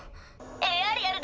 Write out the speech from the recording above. エアリアルだ。